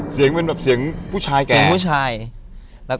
เสียงเป็นเสียงภาษาผู้ชายแบบอ้ะ